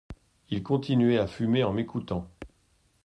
Il continuait à fumer en m’écoutant.